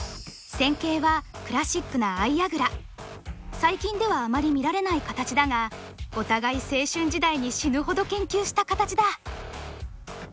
最近ではあまり見られない形だがお互い青春時代に死ぬほど研究した形だ。